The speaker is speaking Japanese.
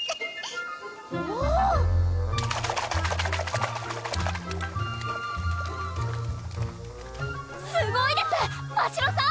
おぉすごいですましろさん！